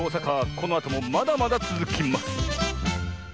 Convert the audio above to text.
このあともまだまだつづきます！